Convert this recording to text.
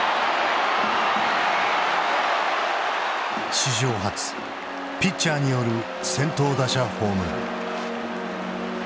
史上初ピッチャーによる先頭打者ホームラン。